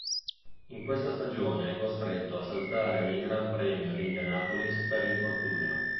In questa stagione è costretto a saltare il Gran Premio di Indianapolis per infortunio.